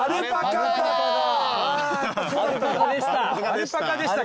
アルパカでした。